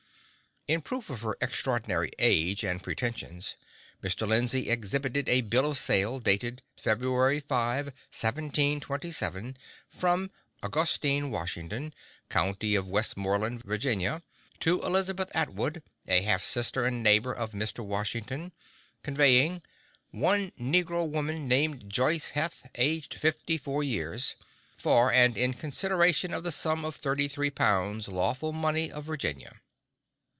In proof of her extraordinary age and pretensions, Mr. Lindsay exhibited a bill of sale, dated February 5, 1727, from Augustine Washington, County of Westmoreland, Virginia, to Elizabeth Atwood, a half sister and neighbor of Mr. Washington, conveying "one negro woman, named Joice Heth, aged fifty four years, for and in consideration of the sum of thirty three pounds lawful money of Virginia."